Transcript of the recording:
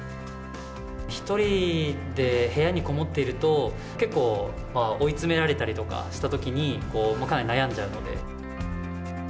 １人で部屋にこもっていると、結構追い詰められたりとかしたときにかなり悩んじゃうので。